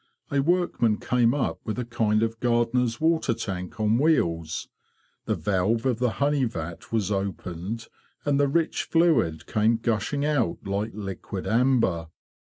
A workman came up with a kind of gardener's water tank on wheels. The valve of the honey vat was opened, and the rich fluid came gushing out like liquid amber.